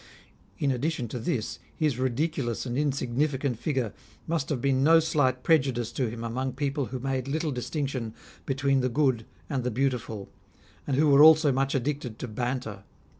In addition to this, his ridiculous* and insignifi cant figure must have been no slight prejudice to him among people who made little distinction between the good and the beautiful, and who were also much addicted to banter.